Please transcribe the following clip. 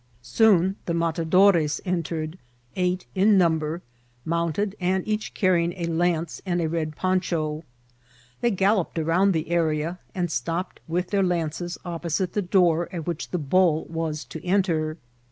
Soon after the matadores entered, eight in number, mounted, and each carrying a lance and a red poncha ; they galloped round the area, and stopped with their lances opposite the door at which the bull was to enter.